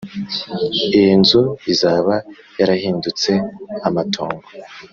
Iyi nzu izaba yarahindutse amatongo